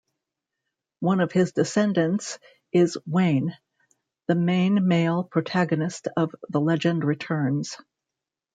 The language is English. One of his descendants is Wain, the main male protagonist of "The Legend Returns".